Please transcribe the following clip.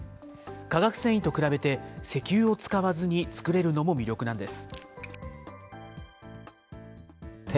化学繊維と比べて、石油を使わずに作れるのも魅力なんです。